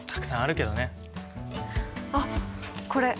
あっこれ！